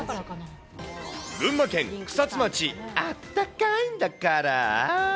群馬県草津町、あったかいんだから―。